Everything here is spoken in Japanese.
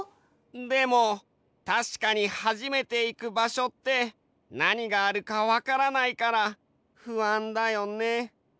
でもたしかに初めていく場所ってなにがあるかわからないから不安だよね。